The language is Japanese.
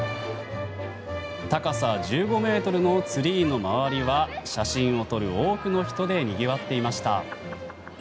高さ１５ｍのツリーの周りは写真を撮る多くの人でにぎわっていました。